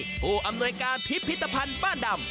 กรัฐี่อำอนวกาศพิพิตภัณฑ์บ้านดำ